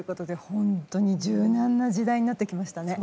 本当に柔軟な時代になってきましたね。